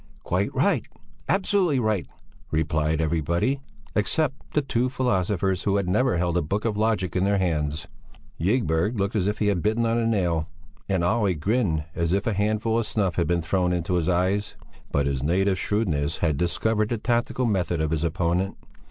"Quite right, absolutely right," replied everybody, except the two philosophers who had never held a book of logic in their hands. Ygberg looked as if he had bitten on a nail, and Olle grinned as if a handful of snuff had been thrown into his eyes; but his native shrewdness had discovered the tactical method of his opponent.